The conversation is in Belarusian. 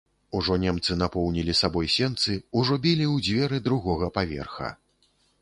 Ужо немцы напоўнілі сабой сенцы, ужо білі ў дзверы другога паверха.